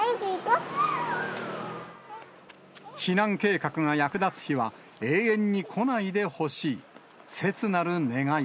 避難計画が役立つ日は、永遠に来ないでほしい。